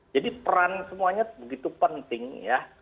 jadi peran semuanya begitu penting ya